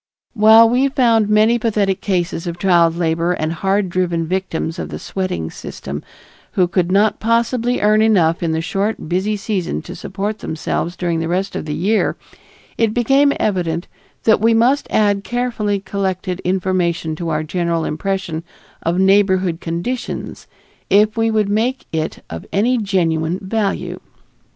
While we found many pathetic cases of child labor and hard driven victims of the sweating system who could not possibly earn enough in the short busy season to support themselves during the rest of the year, it became evident that we must add carefully collected information to our general impression of neighborhood conditions if we would make it of any genuine value.